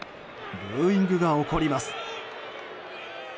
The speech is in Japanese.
ブーイングが起こります。